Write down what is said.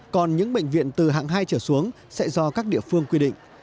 còn những bệnh viện từ hạng hai trở xuống sẽ do các địa phương quy định